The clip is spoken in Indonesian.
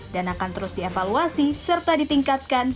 dan akan terus dievaluasi serta ditingkatkan